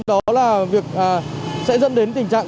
đó là việc sẽ dẫn đến tình trạng